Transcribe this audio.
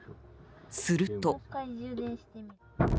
すると。